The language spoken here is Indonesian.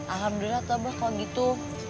alhamdulillah toh bah kalau gitu